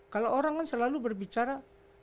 kalau orang selalu berbicara